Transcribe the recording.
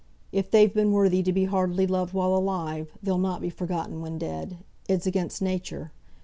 If they've been worthy to be heartily loved while alive, they'll not be forgotten when dead; it's against nature.